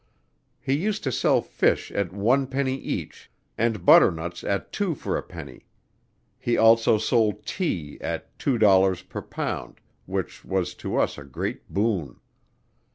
He used to sell fish at one penny each and butternuts at two for a penny. He also sold tea at $2.00 per lb. which was to us a great boon.